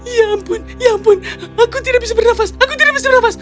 ya ampun ya ampun aku tidak bisa bernafas aku tidak bisa bernafas